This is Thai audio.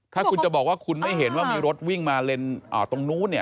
ถ้าคุณจะบอกว่าคุณไม่เห็นว่ามีรถวิ่งมาเลนตรงนู้นเนี่ย